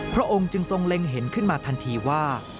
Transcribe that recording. พระองค์จึงทรงเล็งเห็นขึ้นมาทันทีว่า